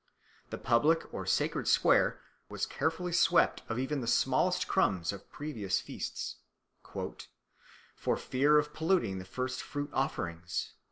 The public or sacred square was carefully swept of even the smallest crumbs of previous feasts, "for fear of polluting the first fruit offerings."